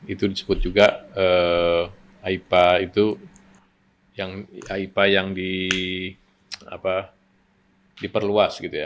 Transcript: itu disebut juga aepa itu yang diperluas gitu ya